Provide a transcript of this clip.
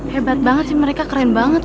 hebat banget sih mereka keren banget